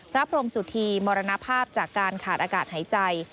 พระพรมสุธีมรณภาพจากการขาดอากาศหายใจ